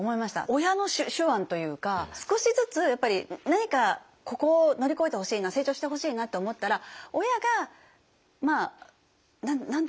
親の手腕というか少しずつ何かここを乗り越えてほしいな成長してほしいなって思ったら親が与えるって思わせないで与えて。